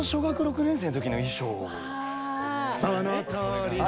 そのとおりです。